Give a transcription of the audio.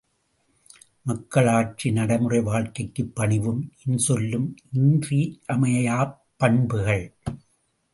மக்களாட்சி நடைமுறை வாழ்க்கைக்குப் பணிவும் இன்சொல்லும் இன்றியமையாப் பண்புகள்!